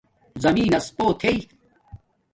زمین نس پݸ تھݵ